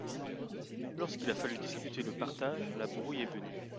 Lorsqu'il a fallu discuter le partage, la brouille est venue.